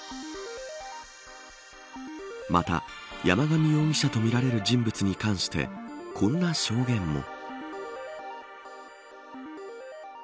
また、山上容疑者とみられる人物に関してこんな証言も。